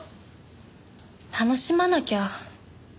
楽しまなきゃ。